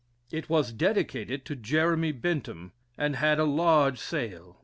It was dedicated to Jeremy Bentham, and had a large sale.